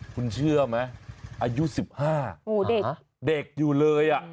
คุณเชื่อไหมอายุสิบห้าเด็กอยู่เลยอ่ะ